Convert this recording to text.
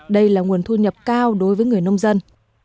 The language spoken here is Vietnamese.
đây là nguồn thu nhập cao đối với người nông dân